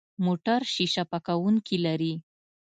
موټر شیشه پاکونکي لري.